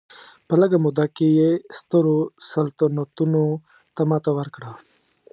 په لږه موده کې یې سترو سلطنتونو ته ماتې ورکړه.